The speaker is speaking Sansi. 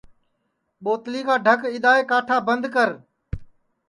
ٻوتلی کا ڈھک اِدؔائے کاٹھا بند کر